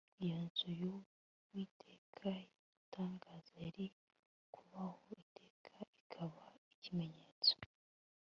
iyo nzu y'uwiteka y'igitangaza yari kubaho iteka ikaba ikimenyetso